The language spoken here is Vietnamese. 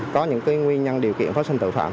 có những nguyên nhân điều kiện phát sinh tội phạm